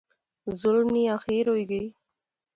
ظلم نی آخیر ہوئی گئی